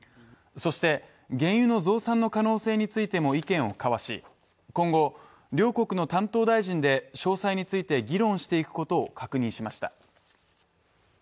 そして原油の増産の可能性についても意見を交わし今後、両国の担当大臣で詳細について議論していくことを確認しました。